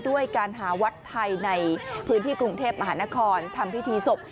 ด้วยการหาวัดไทยในพื้นที่กรุงเทพมหานครทำพิธีศพ